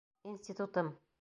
Институтым